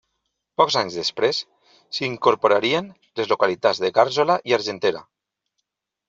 Pocs anys després s'hi incorporarien les localitats de Gàrzola i Argentera.